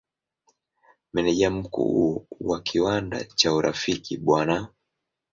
Meneja Mkuu wa kiwanda cha Urafiki Bw.